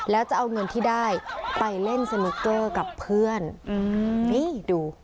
แล้วจะเอาเงินที่ได้ไปเล่นสนุกเกอร์กับเพื่อนอืมนี่ดู